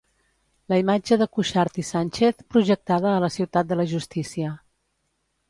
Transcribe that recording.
La imatge de Cuixart i Sànchez, projectada a la Ciutat de la Justícia.